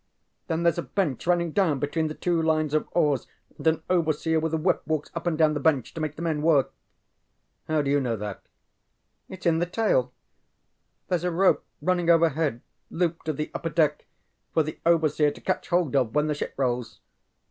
Then thereŌĆÖs a bench running down between the two lines of oars and an overseer with a whip walks up and down the bench to make the men work. ŌĆØ ŌĆ£How do you know that? ŌĆØ ŌĆ£ItŌĆÖs in the tale. ThereŌĆÖs a rope running overhead, looped to the upper deck, for the overseer to catch hold of when the ship rolls.